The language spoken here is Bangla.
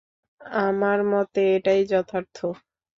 আমার মতে এটাই যথার্থ।